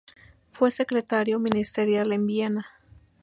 Fue secretario ministerial en Viena.